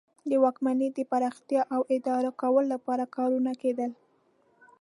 د واکمنۍ د پراختیا او اداره کولو لپاره کارونه کیدل.